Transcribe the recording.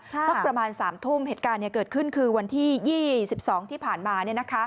สักประมาณ๓ทุ่มเหตุการณ์เกิดขึ้นคือวันที่๒๒ที่ผ่านมา